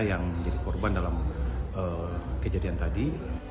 yang menjadi korban dalam kejadian tadi